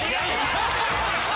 ハハハハハ！